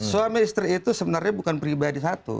suami istri itu sebenarnya bukan pribadi satu